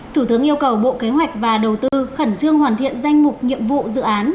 thủ tướng yêu cầu bộ kế hoạch và đầu tư khẩn trương hoàn thiện danh mục nhiệm vụ dự án